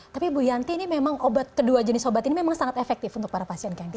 tapi bu yanti ini memang obat kedua jenis obat ini memang sangat efektif untuk para pasien